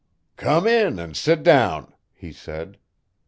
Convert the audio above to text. "Come in and sit down," he said.